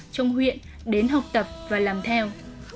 trong huyện đến học tập và làm theo